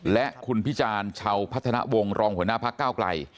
และคุณพิจารณ์ชาวพัฒนาวงศ์รองหัวหน้าพักเก้าไกล